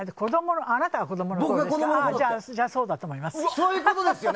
あなたが子供のころならそうだと思います。